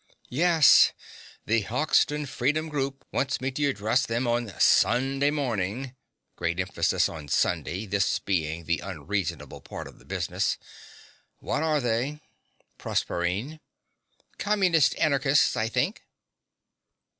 Yes. The Hoxton Freedom Group want me to address them on Sunday morning (great emphasis on "Sunday," this being the unreasonable part of the business). What are they? PROSERPINE. Communist Anarchists, I think.